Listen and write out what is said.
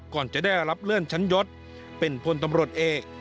ก่อนจะได้รับเลื่อนชั้นยศเป็นพลตำรวจเอก